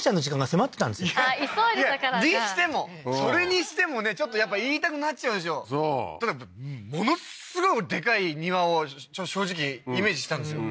急いでたからにしてもそれにしてもねちょっとやっぱ言いたくなっちゃうでしょそうものすごいでかい庭を正直イメージしてたんですよ